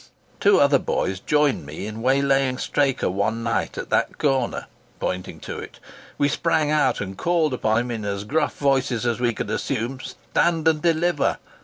Two other boys joined me in waylaying Straker one night at that corner," pointing to it. "We sprang out and called upon him, in as gruff voices as we could assume, to 'stand and deliver!